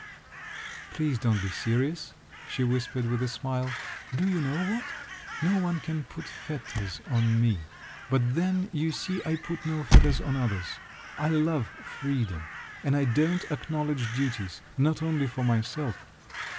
"Please don't be serious," she whispered with a smile. "Do you know what, no one can put fetters on me, but then you see I put no fetters on others. I love freedom, and I don't acknowledge duties—not only for myself.